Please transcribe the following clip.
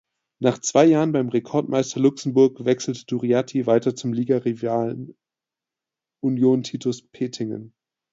Nach zwei Jahren beim Rekordmeister Luxemburg wechselte Duriatti weiter zum Ligarivalen Union Titus Petingen.